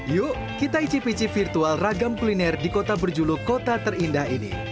yuk kita icip icip virtual ragam kuliner di kota berjuluk kota terindah ini